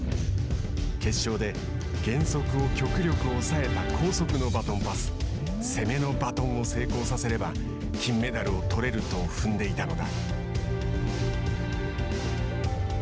決勝で減速を極力抑えた高速のバトンパス攻めのバトンを成功させれば金メダルを取れると踏んでいたのだ。